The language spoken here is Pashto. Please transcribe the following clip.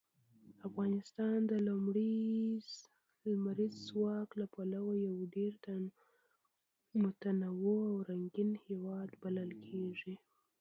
افغانستان د لمریز ځواک له پلوه یو ډېر متنوع او رنګین هېواد بلل کېږي.